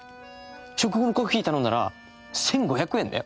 食後のコーヒー頼んだら１５００円だよ？